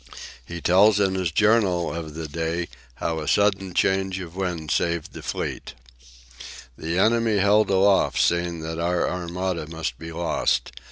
He tells in his journal of the day how a sudden change of the wind saved the fleet: "The enemy held aloof, seeing that our Armada must be lost.